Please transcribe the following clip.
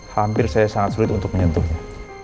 hampir saya sangat sulit untuk menyentuhnya